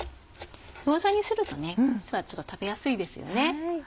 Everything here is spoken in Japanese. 餃子にするとちょっと食べやすいですよね。